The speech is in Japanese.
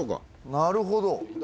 なるほど。